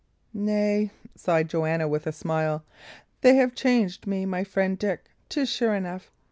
"Nay," sighed Joanna, with a smile, "they have changed me my friend Dick, 'tis sure enough.